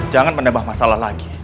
jangan menambah masalah lagi